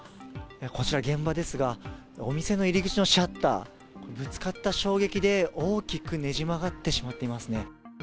こちら、現場ですが、お店の入り口のシャッター、ぶつかった衝撃で大きくねじ曲がってしまっていますね。